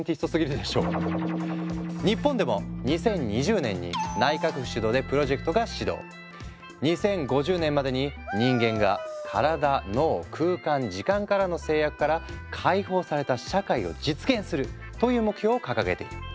日本でも２０２０年に２０５０年までに人間が身体脳空間時間からの制約から解放された社会を実現するという目標を掲げている。